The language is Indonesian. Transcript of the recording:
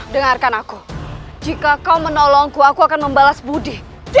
dengarkan aku jika kau menolongku aku akan membalas budi